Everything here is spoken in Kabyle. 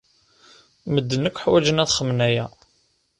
Medden akk ḥwajen ad xedmen aya.